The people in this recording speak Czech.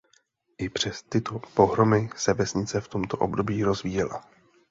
I přes tyto pohromy se vesnice v tomto období rozvíjela.